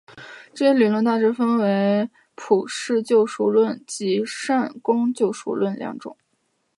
这些理论大致可以分为普世救赎论及善功救赎论两种。